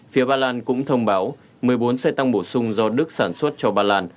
phía ba lan cũng thông báo một mươi bốn xe tăng bổ sung do đức sản xuất cho ba lan